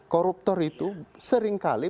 koruptor itu seringkali